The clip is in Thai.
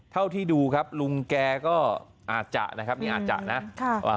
เท่าที่ดูครับลุงแกก็อาจจะนะครับนี่อาจจะนะค่ะอ่า